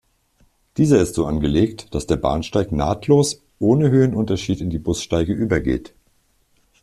Dieser ist so angelegt, dass der Bahnsteig nahtlos ohne Höhenunterschied in die Bussteige übergeht.